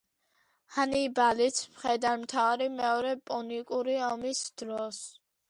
ჰანიბალის მხედართმთავარი მეორე პუნიკური ომის დროს.